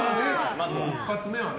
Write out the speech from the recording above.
まず一発目はね。